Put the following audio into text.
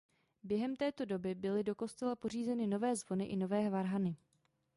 Během této doby byly do kostela pořízeny nové zvony i nové varhany.